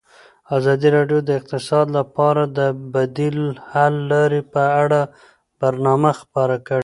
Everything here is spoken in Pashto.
ازادي راډیو د اقتصاد لپاره د بدیل حل لارې په اړه برنامه خپاره کړې.